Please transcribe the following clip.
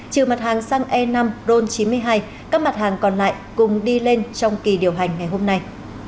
trừ mặt hàng xăng e năm ron chín mươi hai các mặt hàng còn lại cùng đi lên trong kỳ điều hành ngày hôm nay